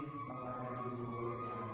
menjadi keluarga yang sakinah maunya tuhan